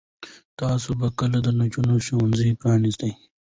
تاسو به کله د نجونو ښوونځي پرانیزئ؟